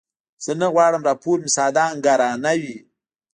زه نه غواړم راپور مې ساده انګارانه وي.